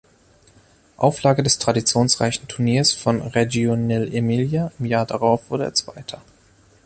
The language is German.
Auflage des traditionsreichen Turniers von Reggio nell’Emilia, im Jahr darauf wurde er Zweiter.